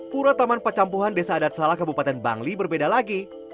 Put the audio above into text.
pura taman pecampuhan desa adat salah kabupaten bangli berbeda lagi